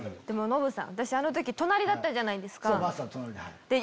でもノブさん私あの時隣だったじゃないですか。